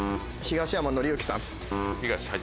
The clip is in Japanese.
東山紀之さん。